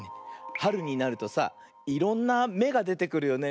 はるになるとさいろんなめがでてくるよね。